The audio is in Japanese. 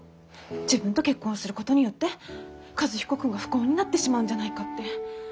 自分と結婚することによって和彦君が不幸になってしまうんじゃないかって。